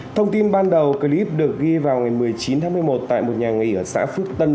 thông tin ban đầu clip được ghi vào ngày một mươi chín tháng một mươi một tại một nhà nghỉ ở xã phước tân